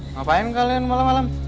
ngapain kalian malam malam